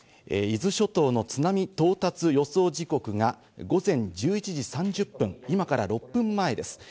伊豆諸島の津波到達予想時刻が午前１１時３０分、今から６分前です。